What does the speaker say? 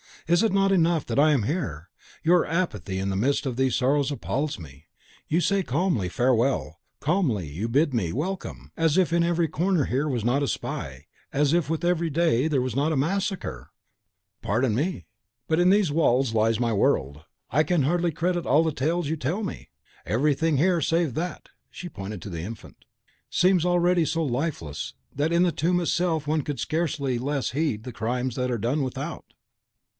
"Is it not enough that I am here! Your apathy in the midst of these sorrows appalls me. You say calmly, 'Farewell;' calmly you bid me, 'Welcome!' as if in every corner there was not a spy, and as if with every day there was not a massacre!" "Pardon me! But in these walls lies my world. I can hardly credit all the tales you tell me. Everything here, save THAT," and she pointed to the infant, "seems already so lifeless, that in the tomb itself one could scarcely less heed the crimes that are done without."